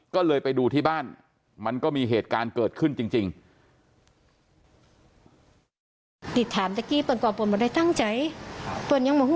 ก็เลยไปดูที่บ้านมันก็มีเหตุการณ์เกิดขึ้นจริง